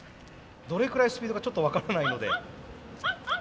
どれくらいスピードがちょっと分からないので。